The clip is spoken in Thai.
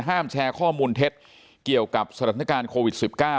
แชร์ข้อมูลเท็จเกี่ยวกับสถานการณ์โควิด๑๙